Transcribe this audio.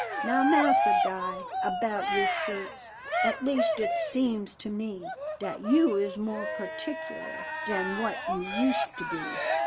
Now, Massa Guy, about your shirts, At least, it seems to me Dat you is more particular Dan what you used to be.